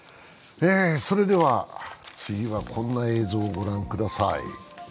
次は、こんな映像をご覧ください。